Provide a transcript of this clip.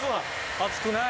熱くない。